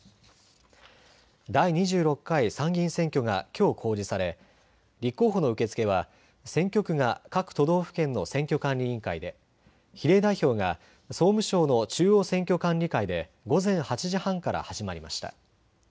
第２６回参議院選挙がきょう公示され立候補の受け付けは選挙区が各都道府県の選挙管理委員会で比例代表が総務省の中央選挙管理会で午前８時半から始まりました。